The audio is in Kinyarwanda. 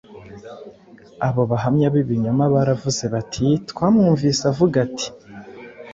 Abo bahamya b’ibinyoma baravuze bati: “Twamwumvise avuga ati, ‘